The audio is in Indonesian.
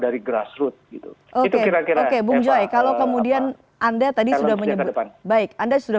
dan agar wijau konflik di puncak bangunan